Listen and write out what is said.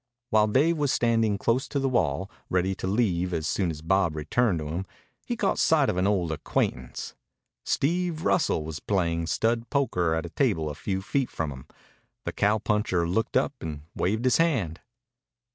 While Dave was standing close to the wall, ready to leave as soon as Bob returned to him, he caught sight of an old acquaintance. Steve Russell was playing stud poker at a table a few feet from him. The cowpuncher looked up and waved his hand.